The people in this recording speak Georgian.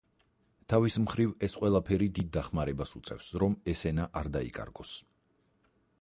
თავის მხრივ ეს ყველაფერი დიდ დახმარებას უწევს, რომ ეს ენა არ დაიკარგოს.